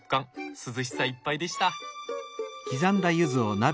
涼しさいっぱいでした。